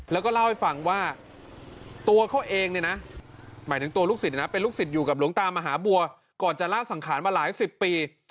และล่าให้ฟังว่าตัวเขาเองไหมลึกศิษย์อยู่กับหลวงตามหาบัวก่อนจะล่าสังขารมาหลายสิบปี